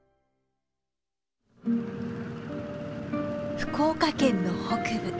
福岡県の北部。